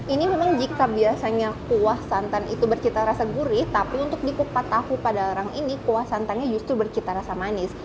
ini memang jika biasanya kuah santan itu bercita rasa gurih tapi untuk di kupat tahu pada larang ini kuah santannya justru bercita rasa manis